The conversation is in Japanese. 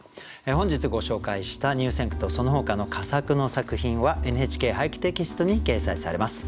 本日ご紹介した入選句とそのほかの佳作の作品は「ＮＨＫ俳句」テキストに掲載されます。